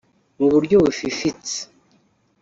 Mu buryo bufifitse